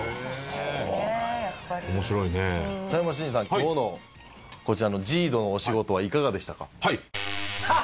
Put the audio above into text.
今日のこちらのＪＩＤＯのお仕事はいかがでしたか？